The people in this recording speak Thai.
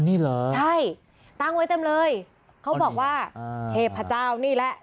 นี่เหรอใช่ตั้งไว้เต็มเลยเขาบอกว่าเทพเจ้านี่แหละ